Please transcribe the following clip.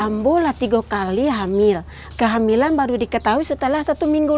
ambo lah tiga kali hamil kehamilan baru diketahui setelah satu minggu